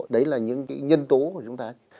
đấy là những cái nhân tố của chúng ta